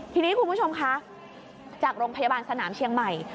ทีนี้คุณผู้ชมคะจากโรงพยาบาลสนามเชียงใหม่